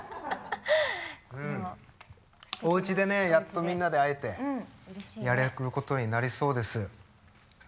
おうちでねやっとみんなで会えてやれることになりそうです。